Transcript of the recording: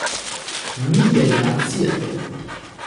Huit gaillards s'y attellent.